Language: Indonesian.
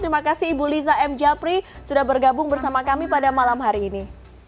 terima kasih ibu liza m japri sudah bergabung bersama kami pada malam hari ini